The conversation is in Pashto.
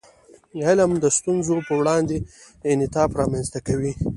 علم د ستونزو په وړاندې انعطاف رامنځته کوي.